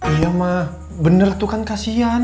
iya mah bener tuh kan kasian